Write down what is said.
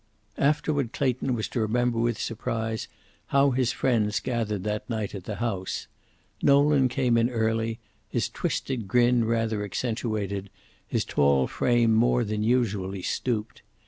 Afterward Clayton was to remember with surprise how his friends gathered that night at the house. Nolan came in early, his twisted grin rather accentuated, his tall frame more than usually stooped.